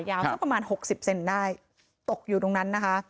ยาวสักประมาณ๖๐เซนต์ได้ตกอยู่ตรงนั้นนะคะ